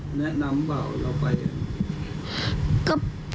แล้วมีใครแนะนำว่าเราไป